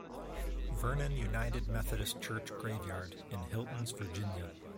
Vernon United Methodist Church graveyard in Hiltons, Virginia.